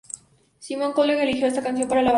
Simon Cowell eligió esta canción para la banda.